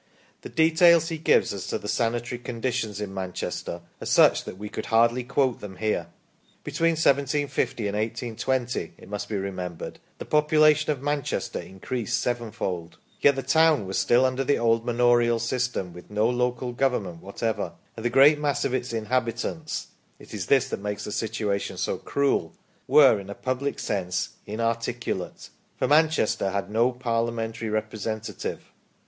The details he gives as to the sanitary conditions in Manchester are such that we could hardly quote them here. Be tween 1750 and 1820, it must be remembered, the population of Manchester increased sevenfold ; yet the town was still under the old manorial system, with no local government whatever ; and the great mass of its inhabitants it is this that makes the situation so cruel were, in a public sense, inarticulate, for Manchester had no parliamentary representative.